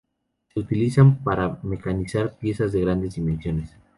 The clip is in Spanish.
Se utilizan para mecanizar piezas de grandes dimensiones.